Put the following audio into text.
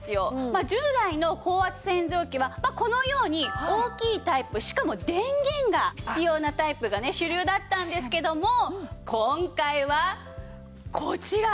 まあ従来の高圧洗浄機はこのように大きいタイプしかも電源が必要なタイプが主流だったんですけども今回はこちら！